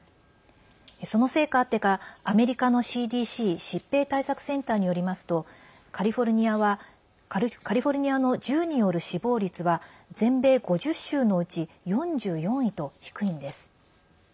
その成果あってか、アメリカのＣＤＣ＝疾病対策センターによりますとカリフォルニアの銃による死亡率は全米５０州のうち４４位と低いんです。